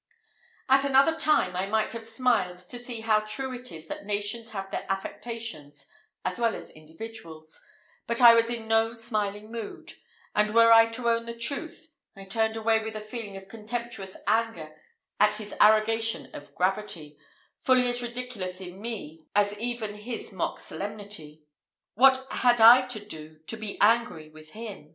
At another time I might have smiled to see how true it is that nations have their affectations as well as individuals, but I was in no smiling mood, and were I to own the truth, I turned away with a feeling of contemptuous anger at his arrogation of gravity, fully as ridiculous in me as even his mock solemnity. What had I to do to be angry with him?